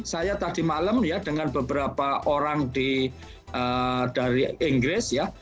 saya tadi malam ya dengan beberapa orang dari inggris ya